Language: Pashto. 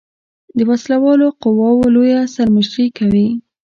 د وسله والو قواؤ لویه سر مشري کوي.